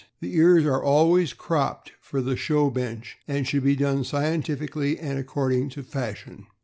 — The ears are always cropped for the show bench, and should be done scientifically and according to fashion.